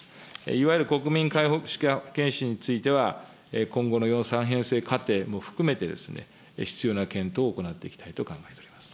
いわゆる国民皆歯科健診については、今後の予算編成過程も含めて、必要な検討を行っていきたいと考